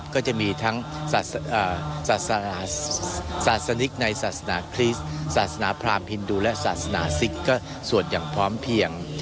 ก็จะมีทั้งศาสนิกในศาสนาคริสต์ศาสนาพรามฮินดูและศาสนาซิกก็สวดอย่างพร้อมเพียง